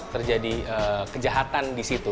terjadi kejahatan disitu